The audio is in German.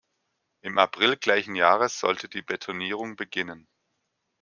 Im April gleichen Jahres sollte die Betonierung beginnen.